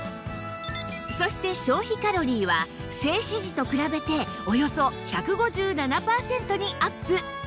そして消費カロリーは静止時と比べておよそ１５７パーセントにアップ